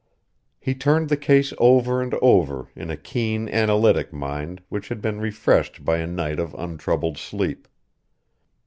He turned the case over and over in a keen, analytic mind which had been refreshed by a night of untroubled sleep.